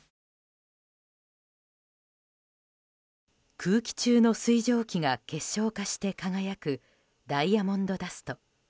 空気中の水蒸気が結晶化して輝く、ダイヤモンドダスト。